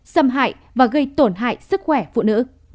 xâm hại và gây tổn hại sức khỏe phụ nữ